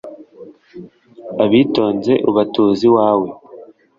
abitonze ubatuza iwawe